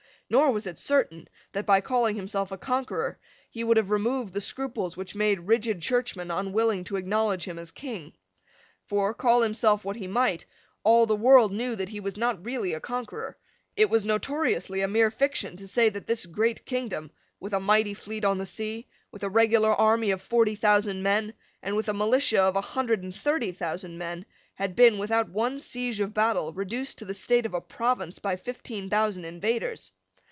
Nor was it certain that, by calling himself a conqueror, he would have removed the scruples which made rigid Churchmen unwilling to acknowledge him as King. For, call himself what he might, all the world knew that he was not really a conqueror. It was notoriously a mere fiction to say that this great kingdom, with a mighty fleet on the sea, with a regular army of forty thousand men, and with a militia of a hundred and thirty thousand men, had been, without one siege or battle, reduced to the state of a province by fifteen thousand invaders.